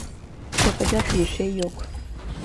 Yapacak bir şey yok.